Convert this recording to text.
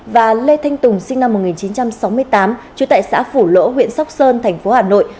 và lê thanh tùng sinh năm một nghìn chín trăm sáu mươi tám trú tại xã phủ lỗ huyện sóc sơn thành phố hà nội